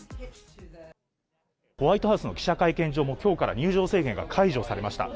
ホワイトハウスの記者会見場も、きょうから入場制限が解除されました。